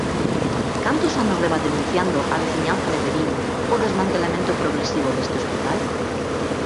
¿Cantos anos leva denunciando a veciñanza de Verín o desmantelamento progresivo deste hospital?